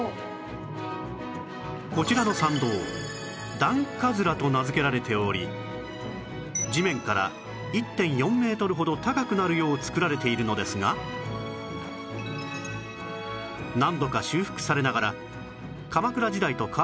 こちらの参道段葛と名付けられており地面から １．４ メートルほど高くなるよう作られているのですがを今も保っており